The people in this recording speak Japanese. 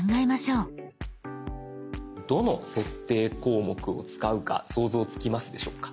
どの設定項目を使うか想像つきますでしょうか？